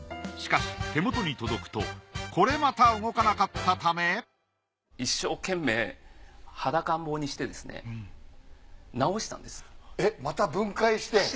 しかし手元に届くとこれまた動かなかったため一生懸命裸んぼうにしてですねえっまた分解して。